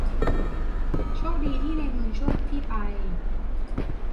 โชคดีที่ในเมืองช่วงที่ไป